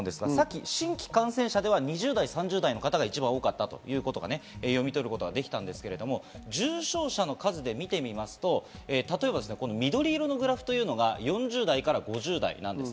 新規感染者では２０代、３０代が一番多かった。ということを先ほど読み取れましたが、重症者の数で見てみますと、例えば緑色のグラフが４０代から５０代です。